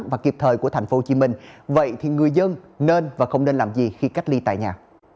và kịp thời của tp hcm vậy thì người dân nên và không nên làm gì khi cách ly tại nhà